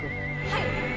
はい。